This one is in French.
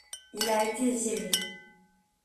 il a été viré.